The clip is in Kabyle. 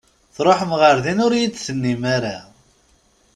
Tṛuḥem ɣer din ur iyi-d-tennim ara!